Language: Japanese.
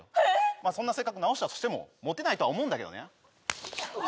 まあそんな性格直したとしてもモテないとは思うんだけどね